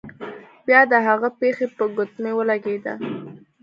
بیا د هغه پښه په ګوتمۍ ولګیده.